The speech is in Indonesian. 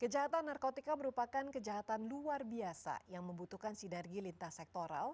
kejahatan narkotika merupakan kejahatan luar biasa yang membutuhkan sinergi lintas sektoral